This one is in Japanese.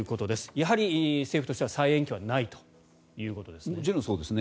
やはり政府としては再延期はないということですね。